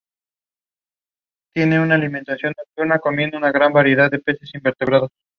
La Defensa Civil municipal debe advertir sobre escuchar y obedecer acerca de